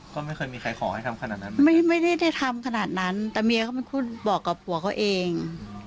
ก็ไม่เคยมีใครขอให้ทำขนาดนั้นไม่ได้ได้ทำขนาดนั้นแต่เมียเขาเป็นคนบอกกับผัวเขาเอง